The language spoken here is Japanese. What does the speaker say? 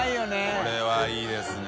これはいいですね。